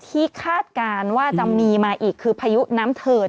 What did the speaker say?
คาดการณ์ว่าจะมีมาอีกคือพายุน้ำเถิน